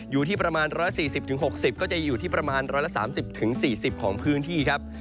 อยู่ที่ประมาณ๑๔๐๖๐ก็จะอยู่ที่ประมาณ๑๓๐๔๐ของพื้นที่ครับ